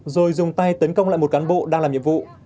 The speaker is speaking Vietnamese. rồi dùng tay tấn công lại một cán bộ đang làm nhiệm vụ